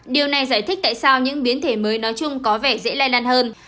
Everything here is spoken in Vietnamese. điều này giải thích tại sao những biến thể mới nói chung có vẻ dễ lây lan hơn